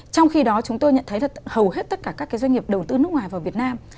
trong khi đó chúng tôi nhận thấy là hầu hết tất cả các doanh nghiệp đầu tư nước ngoài vào việt nam